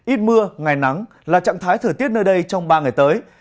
ít mưa ngày nắng là trạng thái thời tiết nơi đây trong ba ngày tới